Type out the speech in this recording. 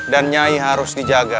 dan nyai harus dijaga